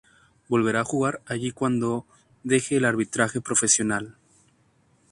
Volverá a jugar allí cuando deje el arbitraje profesional.